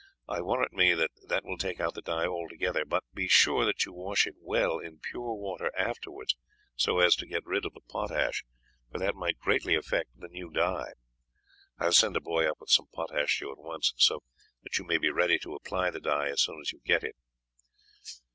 I warrant me that will take out the dye altogether; but be sure that you wash it well in pure water afterwards, so as to get rid of the potash, for that might greatly affect the new dye. I will send a boy up with some potash to you at once, so that you may be ready to apply the dye as soon as you get it."